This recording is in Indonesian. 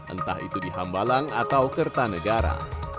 entah itu di hambalang atau kertanegara